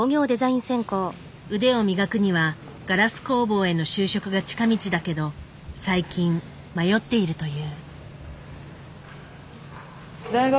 腕を磨くにはガラス工房への就職が近道だけど最近迷っているという。